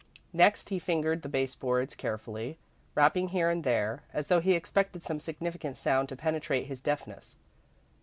Next, he fingered the baseboards carefully, rapping here and there, as though he expected some significant sound to penetrate his deafness.